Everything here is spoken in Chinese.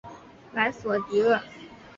莱索蒂厄。